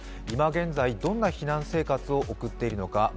今現在、どんな避難生活を送っているのか